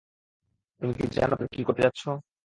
তুমি জনো তুমি কি করতে যাচ্ছ!